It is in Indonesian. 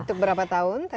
untuk berapa tahun tadi